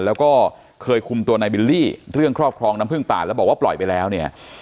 แล้วก็เคยคุมตัวนายบิลลี่เรื่องครอบครองน้ำพึ่งป่าแล้วบอกว่าปล่อยไปแล้วเนี่ย